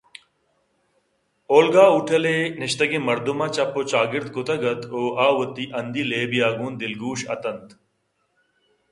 اولگا ہوٹل ءِ نشتگیں مردماں چپ ءُ چاگردکُتگ اَت ءُآ وتی ہندی لیبے ءَ گوں دلگوش اِت اَنت